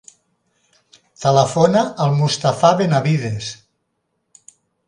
Telefona al Mustafa Benavides.